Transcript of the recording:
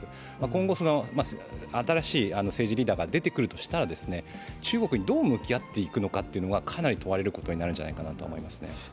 今後、新しい政治リーダーが出てくるとしたら中国にどう向き合っていくのかがかなり問われていくことになるんじゃないかと思いますね。